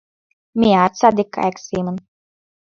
Меат саде кайык семын